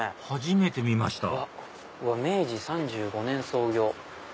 初めて見ました「明治３５年創業。